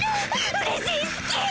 うれしい好き！